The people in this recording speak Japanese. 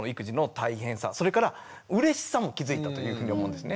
それからうれしさも気付いたというふうに思うんですね。